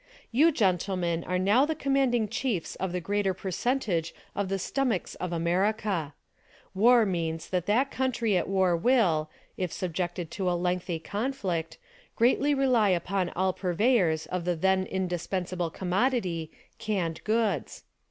You, gentlemen, are now the commanding chiefs of the greater percentage of the stomachs of Am.erica. War means that that country at war will, if subjected to a lengthy conflict, greatly rely upon all purveyors of the then indispensable com.modity— canned goods.